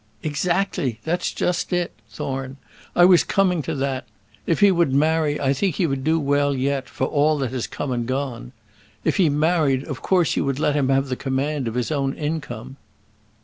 "Exactly; that's just it, Thorne: I was coming to that. If he would marry, I think he would do well yet, for all that has come and gone. If he married, of course you would let him have the command of his own income."